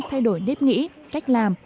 thay đổi nếp nghĩ cách làm